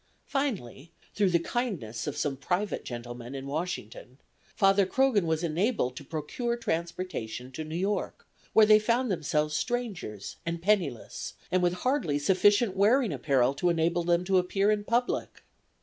Finally, through the kindness of some private gentleman in Washington, Father Croghan was enabled to procure transportation to New York, where they found themselves strangers and penniless, and with hardly sufficient wearing apparel to enable them to appear in public.